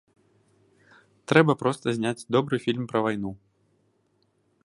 Трэба проста зняць добры фільм пра вайну!